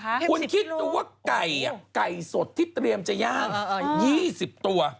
เข้ม๑๐กิโลกรัมคุณคิดดูว่าไก่ไก่สดที่เตรียมจะย่าง๒๐ตัว